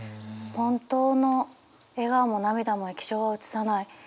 「ほんとうの笑顔も涙も液晶は映さない」。